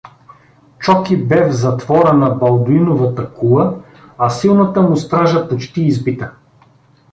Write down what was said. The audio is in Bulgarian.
Чоки бе в затвора на Балдуиновата кула, а силната му стража почти избита.